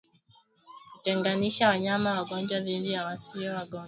Kutenganisha wanyama wagonjwa dhidi ya wasio wagonjwa